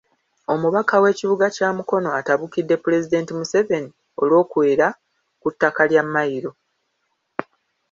Omubaka w’ekibuga kya Mukono atabukidde Pulezidenti Museveni olw’okwera ku ttaka lya Mayiro.